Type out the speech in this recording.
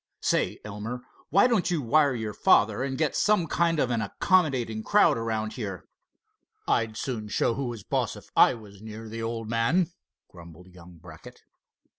Say, Elmer, why don't you wire your father and get some kind of an accommodating crowd around here." "I'd soon show who was boss if I was near the old man," grumbled young Brackett.